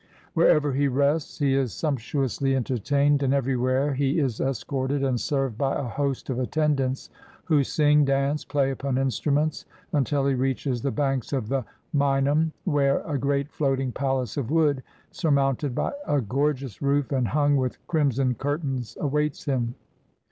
Wherever he rests he is sumptuously enter tained, and everywhere he is escorted and served by a host of attendants, who sing, dance, play upon instru ments, until he reaches the banks of the Meinam, where a great floating palace of wood, surmounted by a gor geous roof and hung with crimson curtains, awaits him.